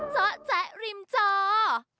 เจ้าแจ๊กริมเจ้า